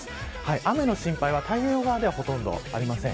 雨の心配は、太平洋側ではほとんどありません。